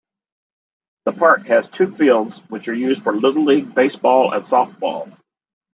The park has two fields which are used for little-league baseball and softball.